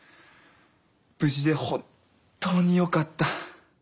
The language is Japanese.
無事で本当によかった。